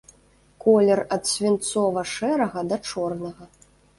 Колер ад свінцова-шэрага да чорнага.